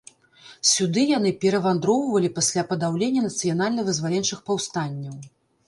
Сюды яны перавандроўвалі пасля падаўлення нацыянальна-вызваленчых паўстанняў.